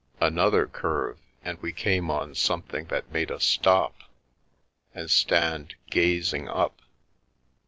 Another curve, and we came on something that made us stop, and stand gazing up.